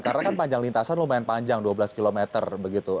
karena kan panjang lintasan lumayan panjang dua belas km begitu